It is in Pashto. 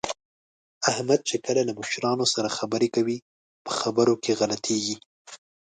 احمد چې کله له مشرانو سره خبرې کوي، په خبرو کې غلطېږي